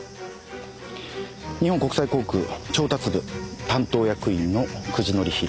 日本国際航空調達部担当役員の久慈則広。